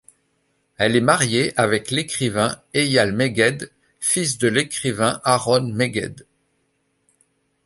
Elle est mariée avec l’écrivain Eyal Megged, fils de l’écrivain Aharon Megged.